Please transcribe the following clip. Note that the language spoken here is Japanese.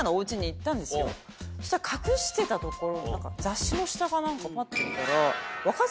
そしたら隠してたところ雑誌の下か何かパッと見たら。